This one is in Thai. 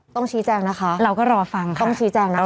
ต้องชี้แจงนะคะเราก็รอฟังต้องชี้แจงนะคะ